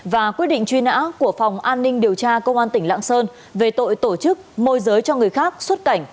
và quyết định truy nã của phòng an ninh điều tra công an tỉnh lạng sơn về tội tổ chức môi giới cho người khác xuất cảnh